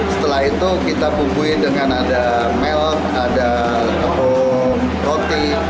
setelah itu kita bumbuin dengan ada milk ada roti